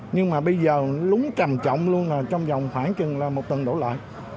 nhưng mà bây giờ lúng trầm trọng luôn là trong vòng khoảng chừng là một tuần đổ lại